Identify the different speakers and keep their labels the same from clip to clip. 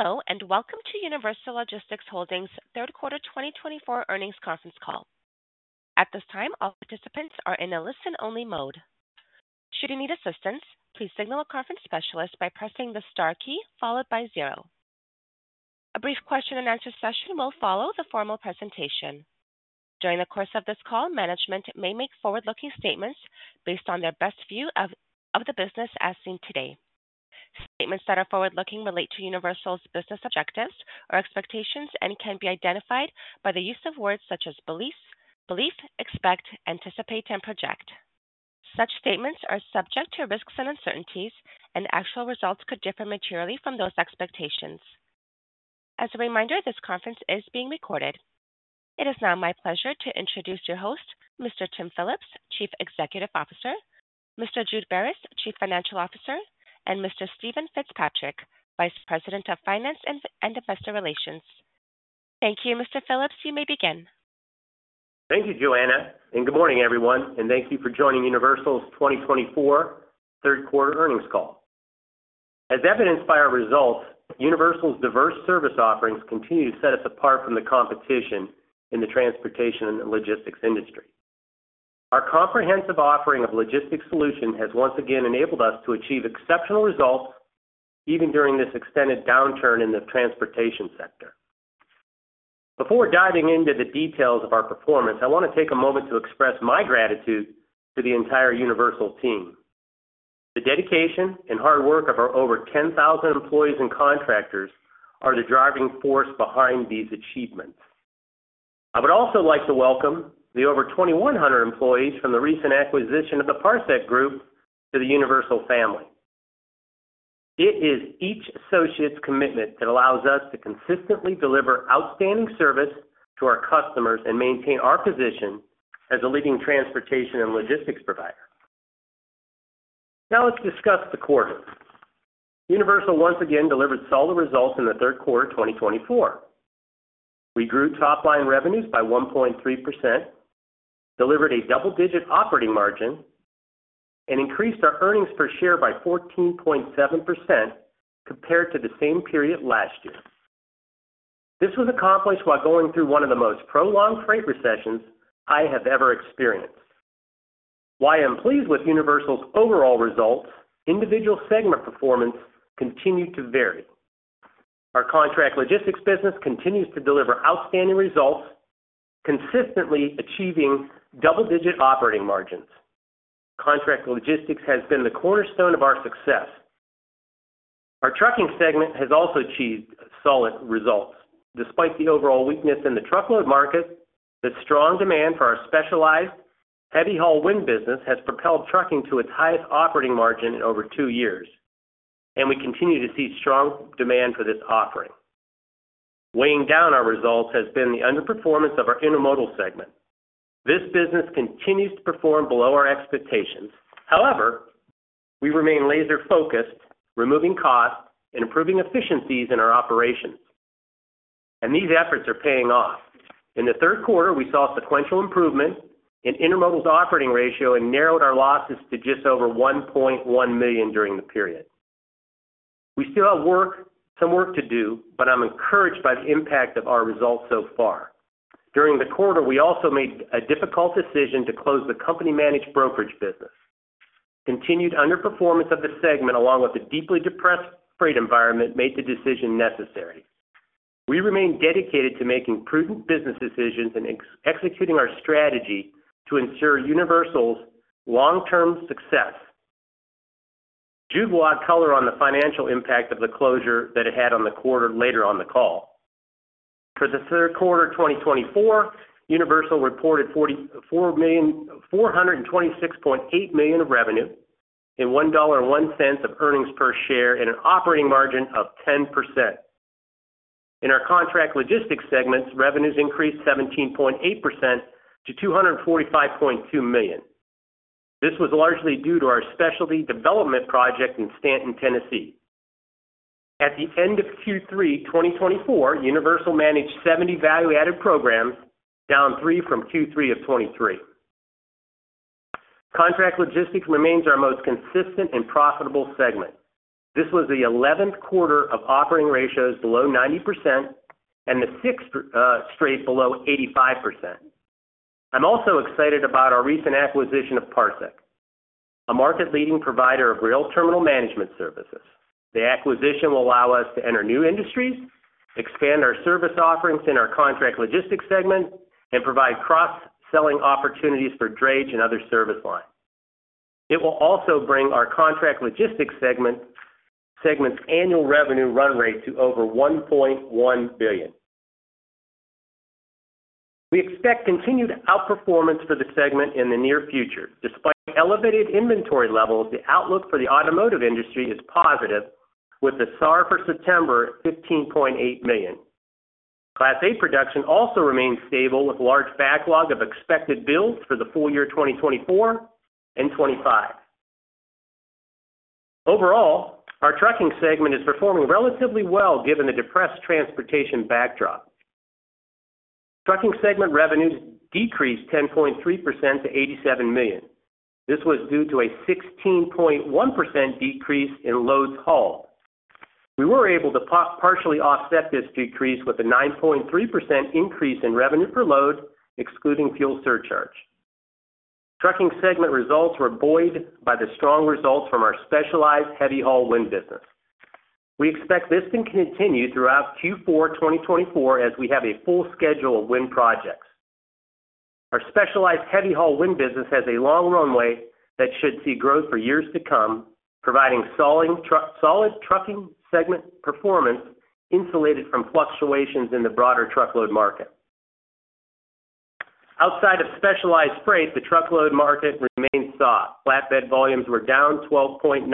Speaker 1: Hello, and welcome to Universal Logistics Holdings Q3 2024 earnings conference call. At this time, all participants are in a listen-only mode. Should you need assistance, please signal a conference specialist by pressing the star key followed by zero. A brief question-and-answer session will follow the formal presentation. During the course of this call, management may make forward-looking statements based on their best view of the business as seen today. Statements that are forward-looking relate to Universal's business objectives or expectations and can be identified by the use of words such as beliefs, belief, expect, anticipate, and project. Such statements are subject to risks and uncertainties, and actual results could differ materially from those expectations. As a reminder, this conference is being recorded. It is now my pleasure to introduce your host, Mr. Tim Phillips, Chief Executive Officer, Mr. Jude Beres, Chief Financial Officer, and Mr. Steven Fitzpatrick, Vice President of Finance and Investor Relations. Thank you, Mr. Phillips, you may begin.
Speaker 2: Thank you, Joanna, and good morning, everyone, and thank you for joining Universal's 2024 Q3 earnings call. As evidenced by our results, Universal's diverse service offerings continue to set us apart from the competition in the transportation and logistics industry. Our comprehensive offering of logistics solution has once again enabled us to achieve exceptional results, even during this extended downturn in the transportation sector. Before diving into the details of our performance, I want to take a moment to express my gratitude to the entire Universal team. The dedication and hard work of our over 10,000 employees and contractors are the driving force behind these achievements. I would also like to welcome the over 2,100 employees from the recent acquisition of the Parsec Group to the Universal family. It is each associate's commitment that allows us to consistently deliver outstanding service to our customers and maintain our position as a leading transportation and logistics provider. Now, let's discuss the quarter. Universal once again delivered solid results in the Q3 of 2024. We grew top-line revenues by 1.3%, delivered a double-digit operating margin, and increased our earnings per share by 14.7% compared to the same period last year. This was accomplished while going through one of the most prolonged freight recessions I have ever experienced. While I'm pleased with Universal's overall results, individual segment performance continued to vary. Our contract logistics business continues to deliver outstanding results, consistently achieving double-digit operating margins. Contract logistics has been the cornerstone of our success. Our trucking segment has also achieved solid results. Despite the overall weakness in the truckload market, the strong demand for our specialized heavy haul wind business has propelled trucking to its highest operating margin in over two years, and we continue to see strong demand for this offering. Weighing down our results has been the underperformance of our intermodal segment. This business continues to perform below our expectations. However, we remain laser-focused, removing costs and improving efficiencies in our operations, and these efforts are paying off. In the Q3, we saw sequential improvement in intermodal's operating ratio and narrowed our losses to just over $1.1 million during the period. We still have some work to do, but I'm encouraged by the impact of our results so far. During the quarter, we also made a difficult decision to close the company-managed brokerage business. Continued underperformance of the segment, along with a deeply depressed freight environment, made the decision necessary. We remain dedicated to making prudent business decisions and executing our strategy to ensure Universal's long-term success. Jude will add color on the financial impact of the closure that it had on the quarter later on the call. For the Q3 of 2024, Universal reported $426.8 million of revenue, and $1.01 of earnings per share, and an operating margin of 10%. In our contract logistics segments, revenues increased 17.8% to $245.2 million. This was largely due to our specialty development project in Stanton, Tennessee. At the end of Q3 2024, Universal managed 70 value-added programs, down three from Q3 of 2023. Contract Logistics remains our most consistent and profitable segment. This was the 11th quarter of operating ratios below 90% and the sixth straight below 85%. I'm also excited about our recent acquisition of Parsec, a market-leading provider of rail terminal management services. The acquisition will allow us to enter new industries, expand our service offerings in our contract logistics segment, and provide cross-selling opportunities for drayage and other service lines. It will also bring our contract logistics segment's annual revenue run rate to over $1.1 billion. We expect continued outperformance for the segment in the near future. Despite elevated inventory levels, the outlook for the automotive industry is positive, with the SAAR for September at 15.8 million. Class A production also remains stable, with large backlog of expected builds for the full year 2024 and 2025. Overall, our trucking segment is performing relatively well, given the depressed transportation backdrop. Trucking segment revenues decreased 10.3% to $87 million. This was due to a 16.1% decrease in loads hauled. We were able to partially offset this decrease with a 9.3% increase in revenue per load, excluding fuel surcharge. Trucking segment results were buoyed by the strong results from our specialized heavy haul wind business. We expect this can continue throughout Q4 2024, as we have a full schedule of wind projects. Our specialized heavy haul wind business has a long runway that should see growth for years to come, providing solid trucking segment performance, insulated from fluctuations in the broader truckload market. Outside of specialized freight, the truckload market remains soft. Flatbed volumes were down 12.9%.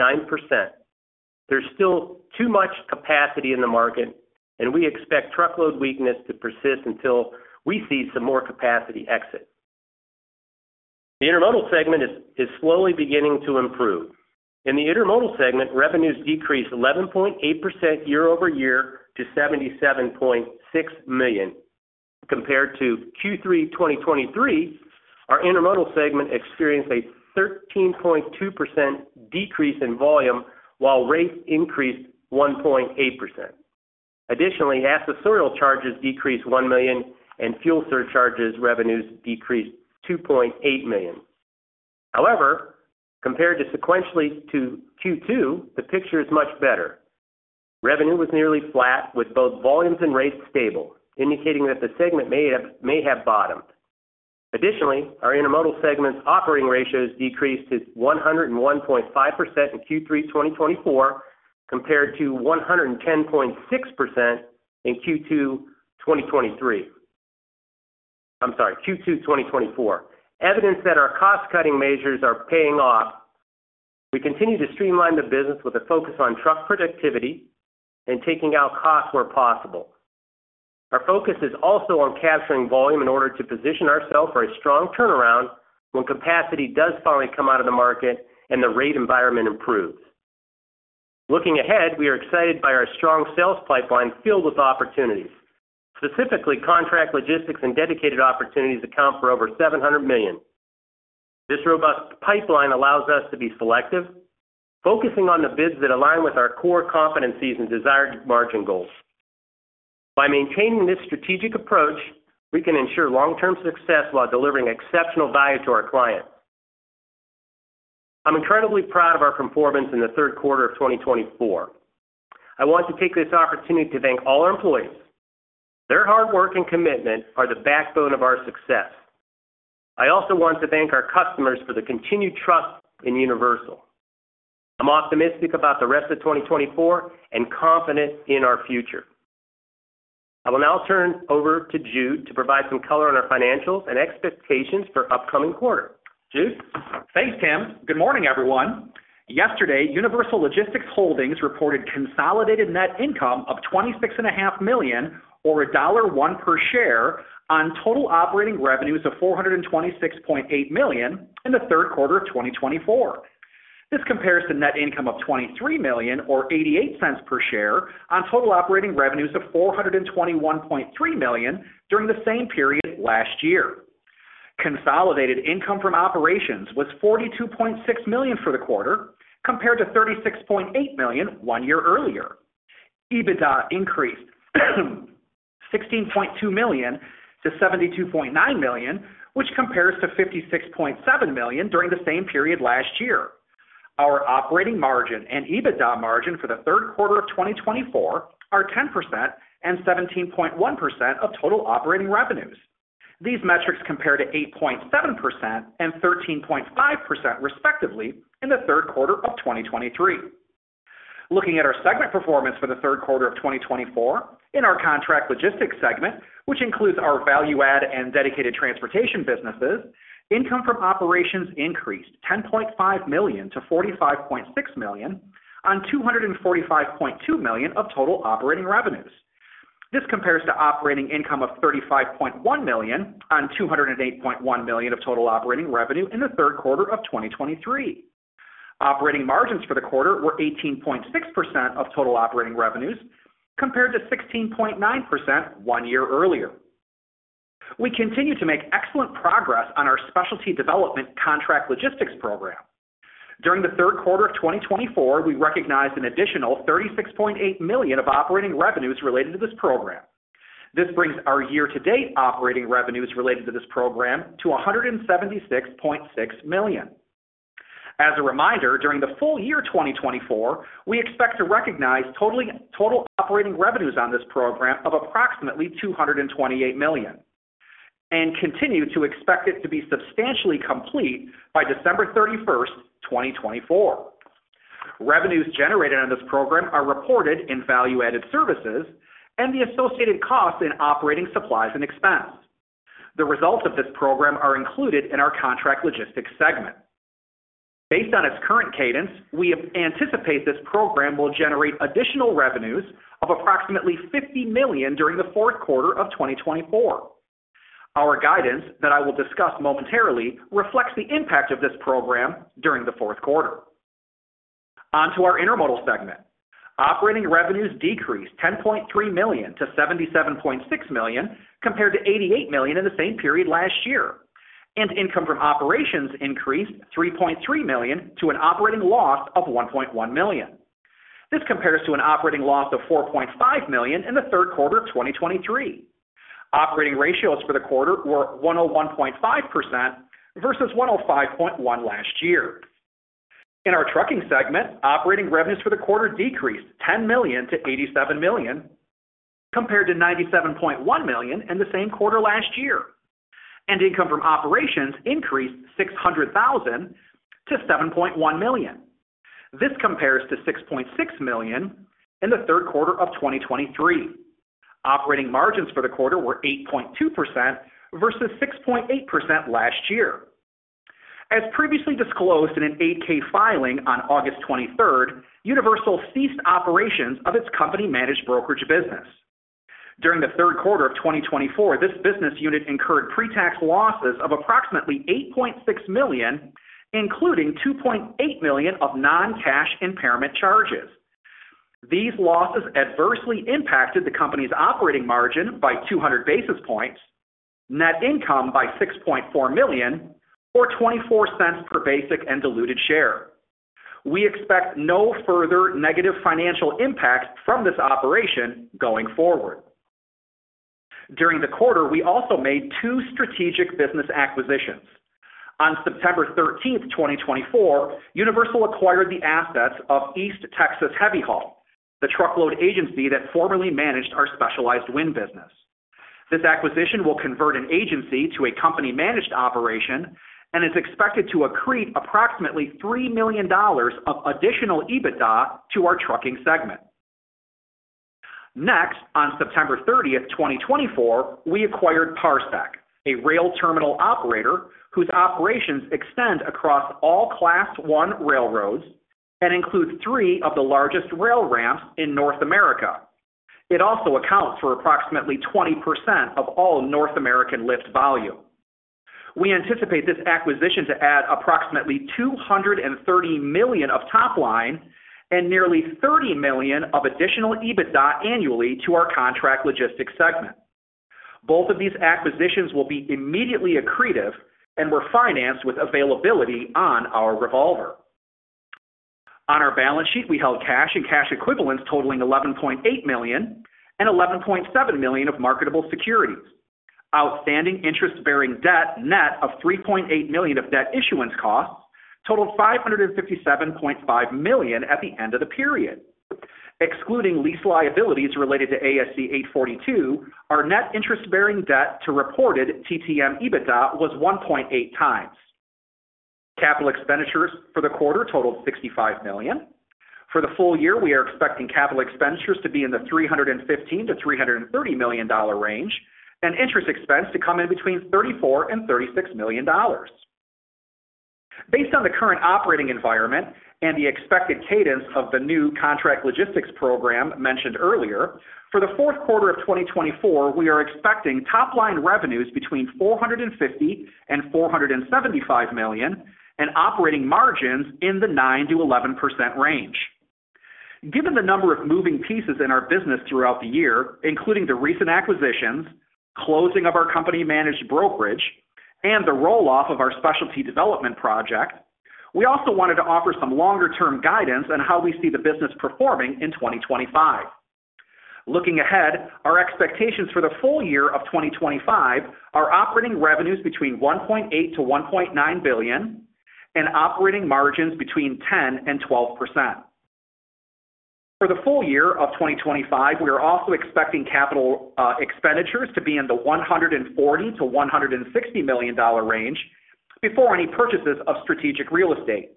Speaker 2: There's still too much capacity in the market, and we expect truckload weakness to persist until we see some more capacity exit. The intermodal segment is slowly beginning to improve. In the intermodal segment, revenues decreased 11.8% year over year to $77.6 million. Compared to Q3 2023, our intermodal segment experienced a 13.2% decrease in volume, while rates increased 1.8%. Additionally, accessorial charges decreased $1 million, and fuel surcharges revenues decreased $2.8 million. However, compared sequentially to Q2, the picture is much better. Revenue was nearly flat, with both volumes and rates stable, indicating that the segment may have bottomed. Additionally, our intermodal segment's operating ratios decreased to 101.5% in Q3 2024, compared to 110.6% in Q2 2023. I'm sorry, Q2 2024. Evidence that our cost-cutting measures are paying off. We continue to streamline the business with a focus on truck productivity and taking out costs where possible. Our focus is also on capturing volume in order to position ourselves for a strong turnaround when capacity does finally come out of the market and the rate environment improves. Looking ahead, we are excited by our strong sales pipeline filled with opportunities. Specifically, contract logistics and dedicated opportunities account for over $700 million. This robust pipeline allows us to be selective, focusing on the bids that align with our core competencies and desired margin goals. By maintaining this strategic approach, we can ensure long-term success while delivering exceptional value to our clients. I'm incredibly proud of our performance in the Q3 of 2024. I want to take this opportunity to thank all our employees. Their hard work and commitment are the backbone of our success. I also want to thank our customers for the continued trust in Universal. I'm optimistic about the rest of 2024 and confident in our future. I will now turn over to Jude to provide some color on our financials and expectations for upcoming quarter. Jude?
Speaker 3: Thanks, Tim. Good morning, everyone. Yesterday, Universal Logistics Holdings reported consolidated net income of $26.5 million, or $1.01 per share, on total operating revenues of $426.8 million in the Q3 of 2024. This compares to net income of $23 million, or $0.88 per share, on total operating revenues of $421.3 million during the same period last year. Consolidated income from operations was $42.6 million for the quarter, compared to $36.8 million one year earlier. EBITDA increased $16.2 million to $72.9 million, which compares to $56.7 million during the same period last year. Our operating margin and EBITDA margin for the Q3 of 2024 are 10% and 17.1% of total operating revenues. These metrics compare to 8.7% and 13.5%, respectively, in the Q3 of 2023. Looking at our segment performance for the Q3 of 2024, in our contract logistics segment, which includes our value add and dedicated transportation businesses, income from operations increased $10.5 million to $45.6 million on $245.2 million of total operating revenues. This compares to operating income of $35.1 million on $208.1 million of total operating revenue in the Q3 of 2023. Operating margins for the quarter were 18.6% of total operating revenues, compared to 16.9% one year earlier. We continue to make excellent progress on our specialty development contract logistics program. During the Q3 of 2024, we recognized an additional $36.8 million of operating revenues related to this program. This brings our year-to-date operating revenues related to this program to $176.6 million. As a reminder, during the full year 2024, we expect to recognize total operating revenues on this program of approximately $228 million, and continue to expect it to be substantially complete by December 31, 2024. Revenues generated on this program are reported in value-added services and the associated costs in operating supplies and expense. The results of this program are included in our contract logistics segment. Based on its current cadence, we anticipate this program will generate additional revenues of approximately $50 million during the Q4 of 2024. Our guidance that I will discuss momentarily reflects the impact of this program during Q4. on to our intermodal segment. Operating revenues decreased $10.3 million to $77.6 million, compared to $88 million in the same period last year, and income from operations increased $3.3 million to an operating loss of $1.1 million. This compares to an operating loss of $4.5 million in the Q3 of 2023. Operating ratios for the quarter were 101.5% versus 105.1% last year. In our trucking segment, operating revenues for the quarter decreased $10 million to $87 million, compared to $97.1 million in the same quarter last year, and income from operations increased $600,000 to $7.1 million. This compares to $6.6 million in the Q3 of 2023. Operating margins for the quarter were 8.2% versus 6.8% last year. As previously disclosed in an 8-K filing on August 23, Universal ceased operations of its company-managed brokerage business. During the Q3 of 2024, this business unit incurred pretax losses of approximately $8.6 million, including $2.8 million of non-cash impairment charges. These losses adversely impacted the company's operating margin by 200 basis points, net income by $6.4 million, or $0.24 per basic and diluted share. We expect no further negative financial impact from this operation going forward. During the quarter, we also made two strategic business acquisitions. On September 13, 2024, Universal acquired the assets of East Texas Heavy Haul, the truckload agency that formerly managed our specialized wind business. This acquisition will convert an agency to a company-managed operation and is expected to accrete approximately $3 million of additional EBITDA to our trucking segment. Next, on September 30, 2024, we acquired Parsec, a rail terminal operator whose operations extend across all Class one railroads and includes three of the largest rail ramps in North America. It also accounts for approximately 20% of all North American lift volume. We anticipate this acquisition to add approximately $230 million of top line and nearly $30 million of additional EBITDA annually to our contract logistics segment. Both of these acquisitions will be immediately accretive and were financed with availability on our revolver. On our balance sheet, we held cash and cash equivalents totaling $11.8 million and $11.7 million of marketable securities. Outstanding interest-bearing debt, net of $3.8 million of debt issuance costs, totaled $557.5 million at the end of the period. Excluding lease liabilities related to ASC 842, our net interest-bearing debt to reported TTM EBITDA was 1.8 times. Capital expenditures for the quarter totaled $65 million. For the full year, we are expecting capital expenditures to be in the $315-$330 million range, and interest expense to come in between $34-$36 million. Based on the current operating environment and the expected cadence of the new contract logistics program mentioned earlier, for the Q4 of 2024, we are expecting top-line revenues between $450 million and $475 million, and operating margins in the 9%-11% range. Given the number of moving pieces in our business throughout the year, including the recent acquisitions, closing of our company-managed brokerage, and the roll-off of our specialty development project, we also wanted to offer some longer-term guidance on how we see the business performing in 2025. Looking ahead, our expectations for the full year of 2025 are operating revenues between $1.8 billion to $1.9 billion and operating margins between 10% and 12%. For the full year of 2025, we are also expecting capital expenditures to be in the $140 million-$160 million range, before any purchases of strategic real estate,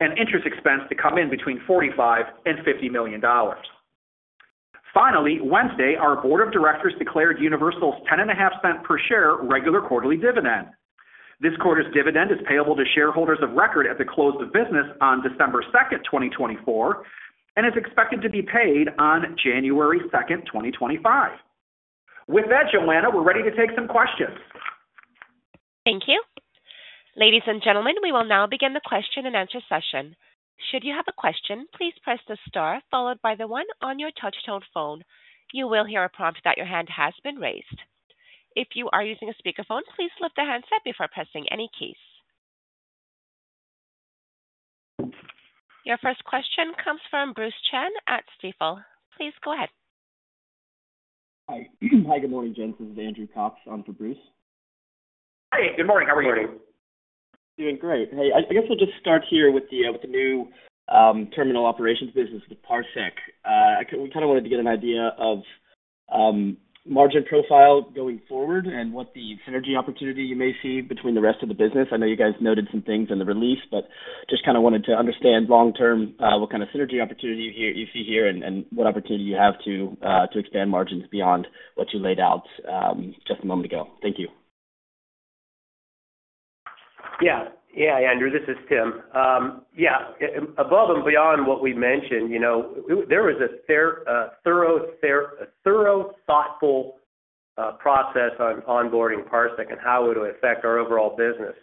Speaker 3: and interest expense to come in between $45 million and $50 million. Finally, Wednesday, our board of directors declared Universal's $0.105 per share regular quarterly dividend. This quarter's dividend is payable to shareholders of record at the close of business on December 2, 2024, and is expected to be paid on January 2, 2025. With that, Joanna, we're ready to take some questions.
Speaker 1: Thank you. Ladies and gentlemen, we will now begin the question-and-answer session. Should you have a question, please press the star followed by the one on your touchtone phone. You will hear a prompt that your hand has been raised. If you are using a speakerphone, please lift the handset before pressing any keys. Your first question comes from Bruce Chan at Stifel. Please go ahead.
Speaker 4: Hi. Hi, good morning, gents. This is Andrew Cox on for Bruce.
Speaker 3: Hi, good morning. How are you?
Speaker 4: Doing great. Hey, I guess I'll just start here with the new terminal operations business with Parsec. We kind of wanted to get an idea of margin profile going forward and what the synergy opportunity you may see between the rest of the business. I know you guys noted some things in the release, but just kind of wanted to understand long-term what kind of synergy opportunity you see here, and what opportunity you have to expand margins beyond what you laid out just a moment ago. Thank you.
Speaker 2: Yeah. Yeah, Andrew, this is Tim. Yeah, above and beyond what we mentioned, you know, there was a fair, thorough, thoughtful process on onboarding Parsec and how it will affect our overall business.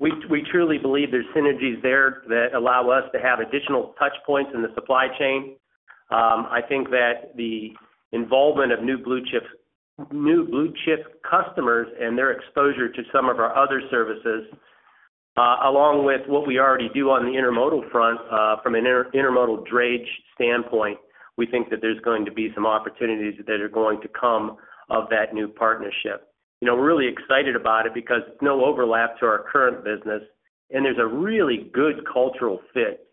Speaker 2: We truly believe there's synergies there that allow us to have additional touch points in the supply chain. I think that the involvement of new blue chip customers and their exposure to some of our other services, along with what we already do on the intermodal front, from an intermodal drayage standpoint, we think that there's going to be some opportunities that are going to come of that new partnership. You know, we're really excited about it because it's no overlap to our current business, and there's a really good cultural fit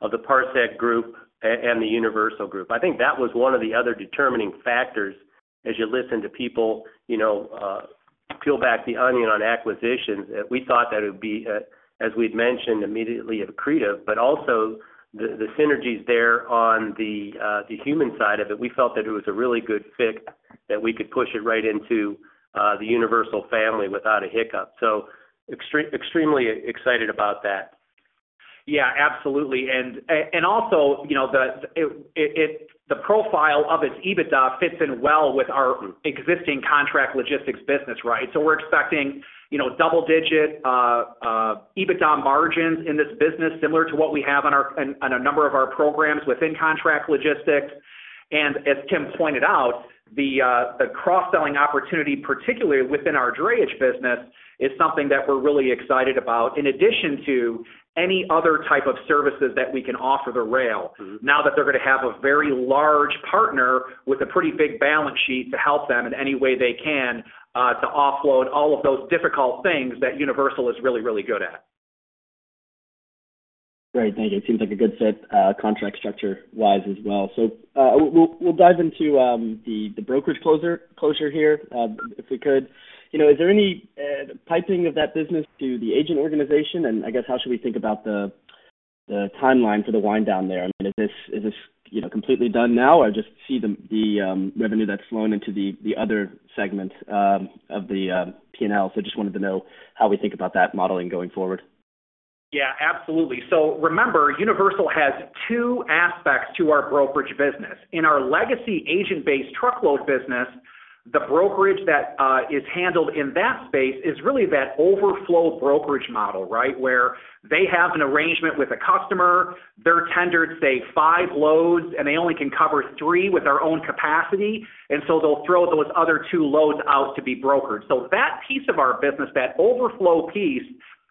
Speaker 2: of the Parsec Group and the Universal Group. I think that was one of the other determining factors as you listen to people, you know, peel back the onion on acquisitions. We thought that it would be, as we'd mentioned, immediately accretive, but also the synergies there on the human side of it. We felt that it was a really good fit, that we could push it right into the Universal family without a hiccup. So extremely excited about that.
Speaker 3: Yeah, absolutely. And also, you know, the profile of its EBITDA fits in well with our existing contract logistics business, right? So we're expecting, you know, double digit EBITDA margins in this business, similar to what we have on a number of our programs within contract logistics. And as Tim pointed out, the cross-selling opportunity, particularly within our drayage business, is something that we're really excited about, in addition to any other type of services that we can offer the rail.
Speaker 2: Mm-hmm.
Speaker 3: Now that they're going to have a very large partner with a pretty big balance sheet to help them in any way they can, to offload all of those difficult things that Universal is really, really good at.
Speaker 4: Great, thank you. It seems like a good fit, contract structure-wise as well. So, we'll dive into the brokerage closure here, if we could. You know, is there any piping of that business to the agent organization? And I guess, how should we think about the timeline for the wind down there? I mean, is this you know, completely done now, or just see the revenue that's flowing into the other segment of the PNL? So just wanted to know how we think about that modeling going forward.
Speaker 3: Yeah, absolutely. So remember, Universal has two aspects to our brokerage business. In our legacy agent-based truckload business, the brokerage that is handled in that space is really that overflow brokerage model, right? Where they have an arrangement with a customer, they're tendered, say, five loads, and they only can cover three with their own capacity, and so they'll throw those other two loads out to be brokered. So that piece of our business, that overflow piece,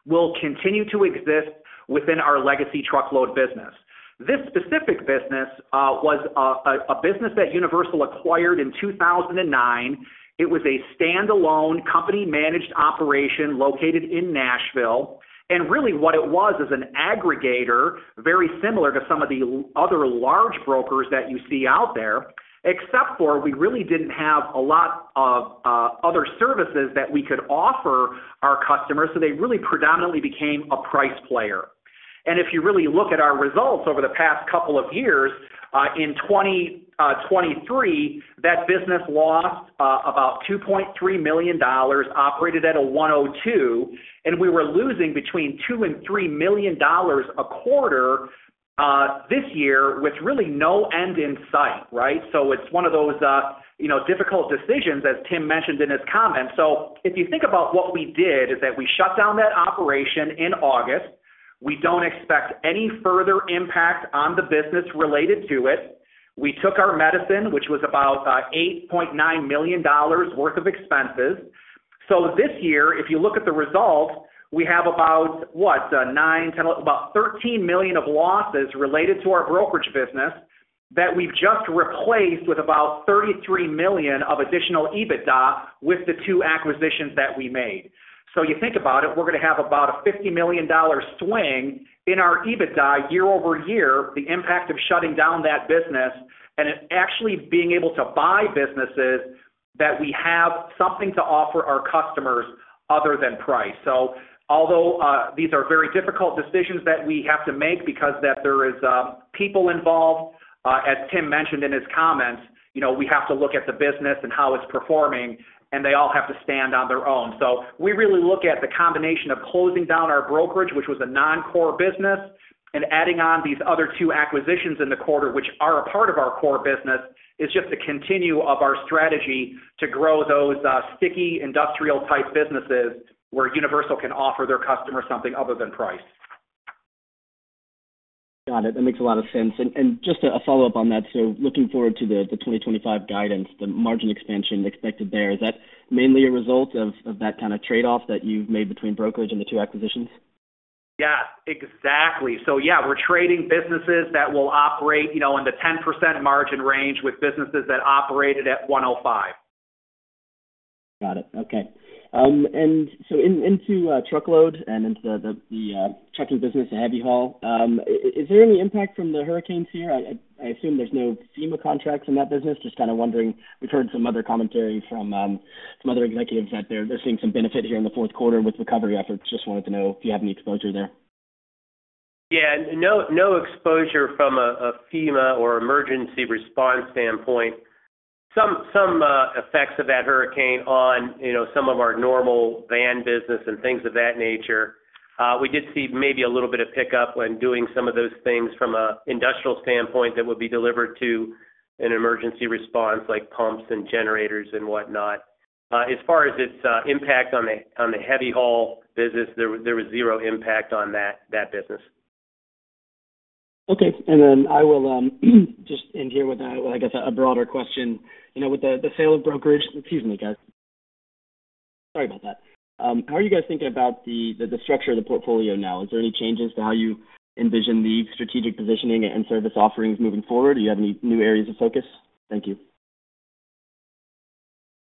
Speaker 3: will continue to exist within our legacy truckload business. This specific business was a business that Universal acquired in two thousand and nine. It was a standalone, company-managed operation located in Nashville. Really, what it was is an aggregator, very similar to some of the other large brokers that you see out there, except we really didn't have a lot of other services that we could offer our customers, so they really predominantly became a price player. If you really look at our results over the past couple of years, in 2023, that business lost about $2.3 million, operated at a 102, and we were losing between $2 million and $3 million a quarter this year, with really no end in sight, right? It's one of those, you know, difficult decisions, as Tim mentioned in his comments. If you think about what we did, we shut down that operation in August. We don't expect any further impact on the business related to it. We took our medicine, which was about $8.9 million worth of expenses, so this year, if you look at the results, we have about nine, ten, about $13 million of losses related to our brokerage business that we've just replaced with about $33 million of additional EBITDA, with the two acquisitions that we made, so you think about it, we're going to have about a $50 million swing in our EBITDA year over year, the impact of shutting down that business, and it actually being able to buy businesses, that we have something to offer our customers other than price. So although these are very difficult decisions that we have to make because there is people involved, as Tim mentioned in his comments, you know, we have to look at the business and how it's performing, and they all have to stand on their own. So we really look at the combination of closing down our brokerage, which was a non-core business, and adding on these other two acquisitions in the quarter, which are a part of our core business, is just a continuation of our strategy to grow those sticky, industrial-type businesses, where Universal can offer their customers something other than price.
Speaker 4: Got it. That makes a lot of sense. And just a follow-up on that, so looking forward to the 2025 guidance, the margin expansion expected there, is that mainly a result of that kind of trade-off that you've made between brokerage and the two acquisitions?
Speaker 3: Yeah, exactly. So yeah, we're trading businesses that will operate, you know, in the 10% margin range with businesses that operated at 105.
Speaker 4: Got it. Okay, and so into truckload and into the trucking business and heavy haul, is there any impact from the hurricanes here? I assume there's no FEMA contracts in that business. Just kind of wondering. We've heard some other commentary from some other executives that they're seeing some benefit here in the Q4 with recovery efforts. Just wanted to know if you have any exposure there.
Speaker 2: Yeah, no, no exposure from a FEMA or emergency response standpoint. Some effects of that hurricane on, you know, some of our normal van business and things of that nature. We did see maybe a little bit of pickup when doing some of those things from an industrial standpoint that would be delivered to an emergency response, like pumps and generators and whatnot. As far as its impact on the heavy haul business, there was zero impact on that business.
Speaker 4: Okay. And then I will just end here with, I guess, a broader question. You know, with the sale of brokerage—excuse me, guys. Sorry about that. How are you guys thinking about the structure of the portfolio now? Is there any changes to how you envision the strategic positioning and service offerings moving forward? Do you have any new areas of focus? Thank you.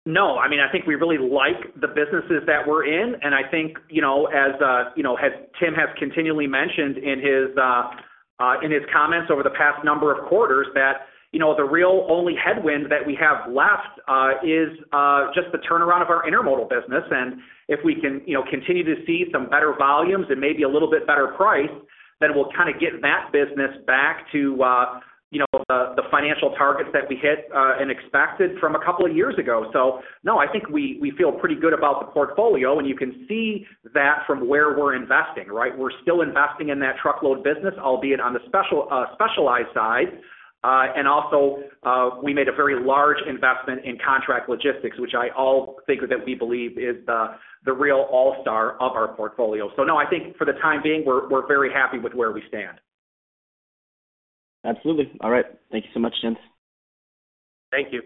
Speaker 3: No, I mean, I think we really like the businesses that we're in, and I think, you know, as, you know, as Tim has continually mentioned in his comments over the past number of quarters, that, you know, the real only headwind that we have left, is just the turnaround of our intermodal business. And if we can, you know, continue to see some better volumes and maybe a little bit better price, then we'll kind of get that business back to, you know, the financial targets that we hit, and expected from a couple of years ago. So no, I think we, we feel pretty good about the portfolio, and you can see that from where we're investing, right? We're still investing in that truckload business, albeit on the special, specialized side. And also, we made a very large investment in contract logistics, which I all think that we believe is the real all-star of our portfolio. So no, I think for the time being, we're very happy with where we stand.
Speaker 4: Absolutely. All right. Thank you so much, gents.
Speaker 3: Thank you.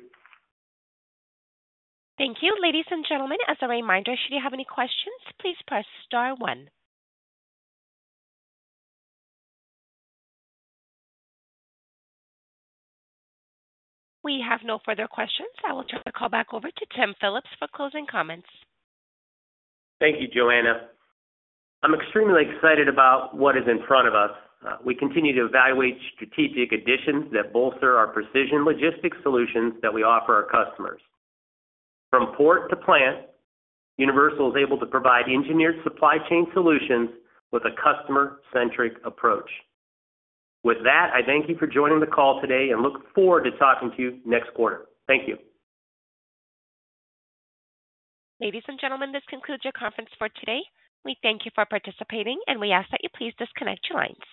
Speaker 1: Thank you. Ladies and gentlemen, as a reminder, should you have any questions, please press star one. We have no further questions. I will turn the call back over to Tim Phillips for closing comments.
Speaker 2: Thank you, Joanna. I'm extremely excited about what is in front of us. We continue to evaluate strategic additions that bolster our precision logistics solutions that we offer our customers. From port to plant, Universal is able to provide engineered supply chain solutions with a customer-centric approach. With that, I thank you for joining the call today and look forward to talking to you next quarter. Thank you.
Speaker 1: Ladies and gentlemen, this concludes your conference for today. We thank you for participating, and we ask that you please disconnect your lines.